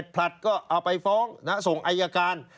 ผลัดก็เอาไปฟ้องส่งอายการ